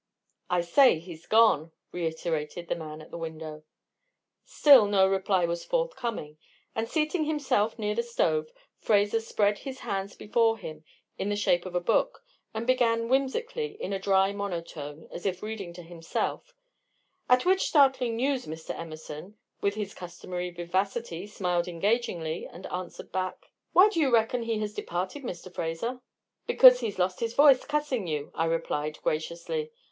"I say, he's gone!" reiterated the man at the window. Still no reply was forthcoming, and, seating himself near the stove, Fraser spread his hands before him in the shape of a book, and began whimsically, in a dry monotone, as if reading to himself: "At which startling news, Mr. Emerson, with his customary vivacity, smiled engagingly, and answered back: "'Why do you reckon he has departed, Mr. Fraser?" "'Because he's lost his voice cussing us,' I replied, graciously.